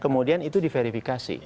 kemudian itu di verifikasi